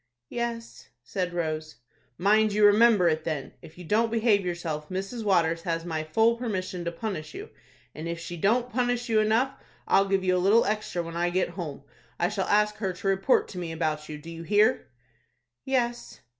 "Yes," said Rose. "Mind you remember it, then. If you don't behave yourself, Mrs. Waters has my full permission to punish you, and if she don't punish you enough, I'll give you a little extra when I get home. I shall ask her to report to me about you. Do you hear?" "Yes."